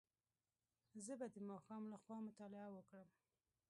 زه به د ماښام له خوا مطالعه وکړم.